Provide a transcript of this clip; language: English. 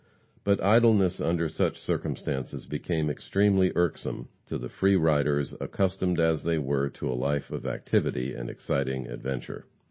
But idleness under such circumstances became extremely irksome to the free riders, accustomed as they were to a life of activity and exciting adventure.